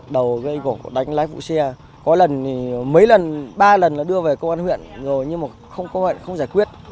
đưa về công an huyện rồi như một không công an huyện không giải quyết